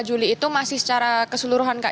dua puluh lima juli itu masih secara keseluruhan kak